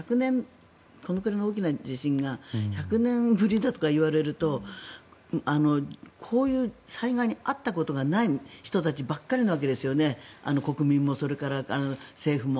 これくらいの大きな地震が１００年ぶりだとか言われるとこういう災害に遭ったことがない人たちばかりなわけですよね国民もそれから政府も。